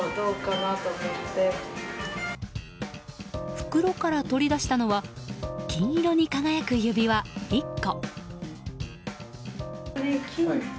袋から取り出したのは金色に輝く指輪１個。